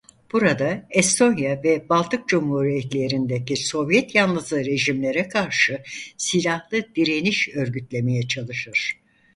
Burada Estonya ve Baltık Cumhuriyetlerindeki Sovyet yanlısı rejimlere karşı silahlı direniş örgütlemeye çalışır.